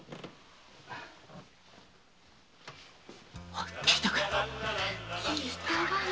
おい聞いたかよ。